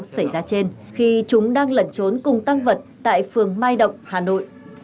xe ô tô xảy ra trên khi chúng đang lẩn trốn cùng tăng vật tại phường mai động hà nội